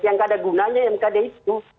yang gak ada gunanya mkd itu